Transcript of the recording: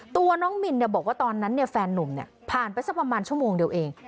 ตัวน้องมินบอกว่าตอนนั้นแฟนนุ่มผ่านไปสักประมาณชั่วโมงเดียวเอง